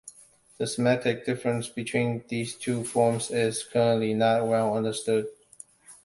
The semantic difference between these two forms is currently not well understood.